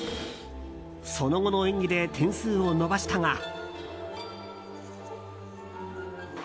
その後の演技で点数を伸ばしたが。